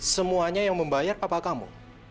semuanya yang membayar papa kamu